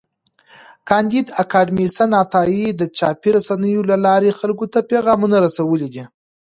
کانديد اکاډميسن عطایي د چاپي رسنیو له لارې خلکو ته پیغامونه رسولي دي.